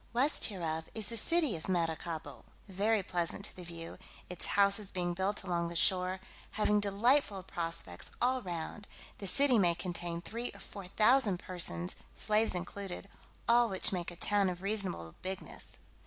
West hereof is the city of Maracaibo, very pleasant to the view, its houses being built along the shore, having delightful prospects all round: the city may contain three or four thousand persons, slaves included, all which make a town of reasonable bigness.